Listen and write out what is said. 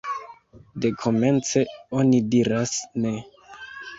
Dekomence, oni diras Ne!